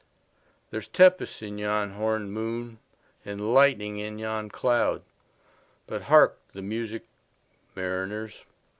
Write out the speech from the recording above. There's tempest in yon hornèd moon, And lightning in yon cloud:But hark the music, mariners!